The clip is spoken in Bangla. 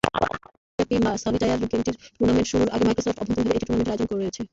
বিশ্বব্যাপী সলিটায়ার গেমটির টুর্নামেন্ট শুরুর আগে মাইক্রোসফট অভ্যন্তরীণভাবে একটি টুর্নামেন্টের আয়োজন করছে।